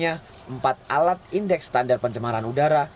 hanya empat alat indeks standar pencemaran udara